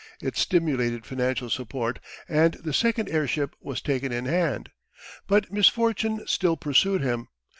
It stimulated financial support, and the second airship was taken in hand. But misfortune still pursued him.